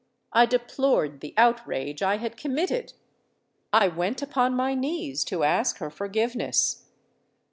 I deplored the outrage I had committed—I went upon my knees to ask her forgiveness.